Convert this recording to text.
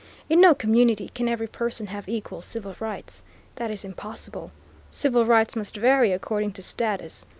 In no community can every person have equal civil rights. That is impossible. Civil rights must vary according to status.